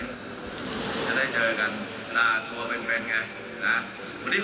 จะได้เจอกันหน้าตัวเป็นเพลงไงนะครับ